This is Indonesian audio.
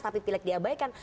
tapi pilek diabaikan